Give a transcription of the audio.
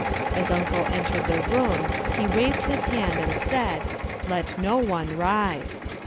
As Uncle entered the room he waved his hand and said, "Let no one rise!"